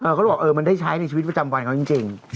เขาบอกเออมันได้ใช้ในชีวิตประจำวันเขาจริง